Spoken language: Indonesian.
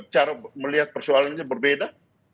cara melihat persoalannya berbeda